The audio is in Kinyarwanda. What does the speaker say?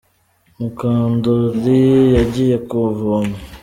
mukandori yagiye kuvoma